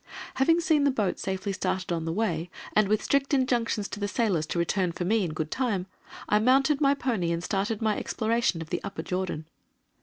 Having seen the boat safely started on the way, and with strict injunctions to the sailors to return for me in good time, I mounted my pony and started my exploration of the Upper Jordan.